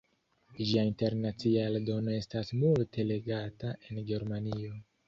Ĝia internacia eldono estas multe legata en Germanio.